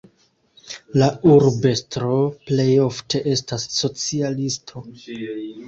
La urbestro plej ofte estas socialisto.